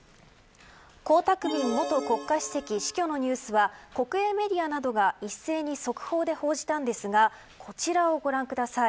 江沢民元国家主席死去のニュースは国営メディアなどが一斉に速報で報じたんですがこちらをご覧ください。